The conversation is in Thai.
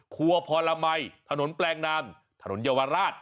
ครัวพรมัยถนนแปลงนามถนนเยาวราช